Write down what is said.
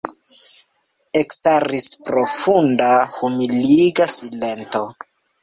Ekstaris profunda, humiliga silento.